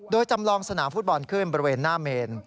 โดยจำลองสนามฟุตบอลขึ้นบริเวณหน้าเมน